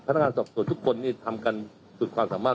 นักงานสอบสวนทุกคนทำกันสุดความสามารถ